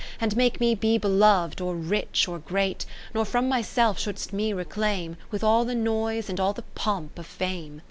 And make me be belov'd, or rich, or great : Nor from myself shouldst me reclaim With all the noise and all the pomp of Fame.